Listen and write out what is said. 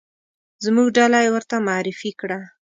زموږ ډله یې ورته معرفي کړه.